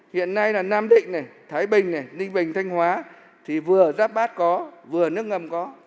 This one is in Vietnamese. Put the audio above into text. hiện nay là nam định này thái bình này ninh bình thanh hóa thì vừa giáp bát có vừa nước ngầm có